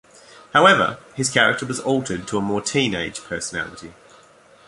However, his character was altered to a more teenage personality.